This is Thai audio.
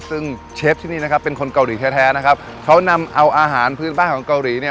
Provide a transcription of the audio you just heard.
ซึ่งเชฟที่นี่นะครับเป็นคนเกาหลีแท้แท้นะครับเขานำเอาอาหารพื้นบ้านของเกาหลีเนี่ย